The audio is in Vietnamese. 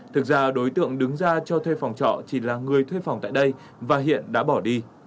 thực ra đối tượng đứng ra cho thuê phòng trọ chỉ là người thuê phòng tại đây và hiện đã bỏ đi